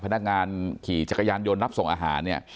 พนักงานขี่จักรยานยนต์รับส่งอาหารเนี่ย